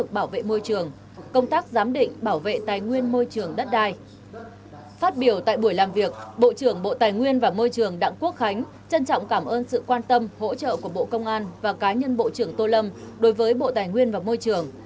bộ trưởng bộ tài nguyên và môi trường đặng quốc khánh trân trọng cảm ơn sự quan tâm hỗ trợ của bộ công an và cá nhân bộ trưởng tô lâm đối với bộ tài nguyên và môi trường